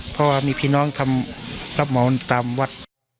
เพราะว่ามีพี่น้องทำรับเหมานตามวัด